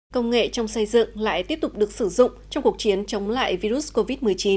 công nghệ trong xây dựng lại tiếp tục được sử dụng trong cuộc chiến chống lại virus covid một mươi chín